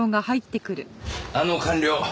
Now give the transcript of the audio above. あの官僚